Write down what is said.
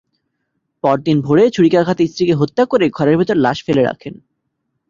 পরদিন ভোরে ছুরিকাঘাতে স্ত্রীকে হত্যা করে ঘরের ভেতর লাশ ফেলে রাখেন।